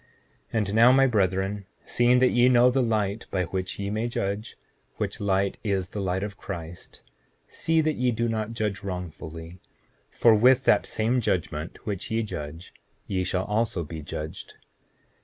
7:18 And now, my brethren, seeing that ye know the light by which ye may judge, which light is the light of Christ, see that ye do not judge wrongfully; for with that same judgment which ye judge ye shall also be judged.